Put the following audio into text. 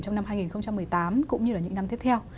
trong năm hai nghìn một mươi tám cũng như là những năm tiếp theo